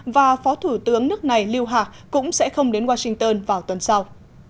và phó thủ tướng nước này lưu hạc cũng sẽ không đến washington vào tuần sau